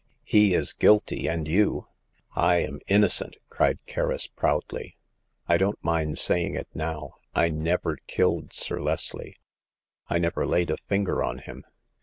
" He is guilty, and you "I am innocent !" cried Kerris, proudly. " I don't mind saying it now. I never killed Sir Leslie ; I never laid a finger on him."